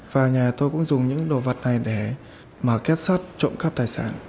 vào nhà tôi cũng dùng những đồ vật này để mở két sắt trộm cắp tài sản